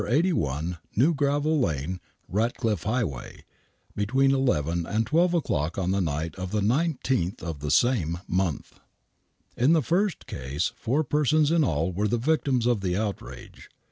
81 New Gravel Lane, Eatcliffe Highway, between eleven and twelve o'clock on the night of the 19th of the same month. In the first case four persons in all were the victims of the outrage.